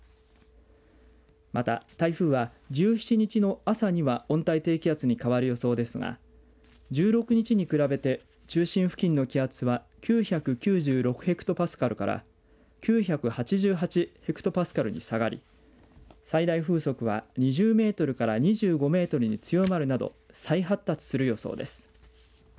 また台風は１７日の朝には温帯低気圧に変わる予想ですが１６日に比べて中心付近の気圧は９９６ヘクトパスカルから９８８ヘクトパスカルに下がり最大風速は２０メートルから２５メートルに強まるなど再発達する予想です。